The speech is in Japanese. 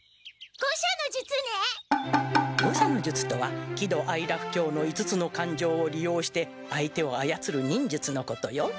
五車の術とは喜怒哀楽恐の５つの感情をりようして相手をあやつる忍術のことよ。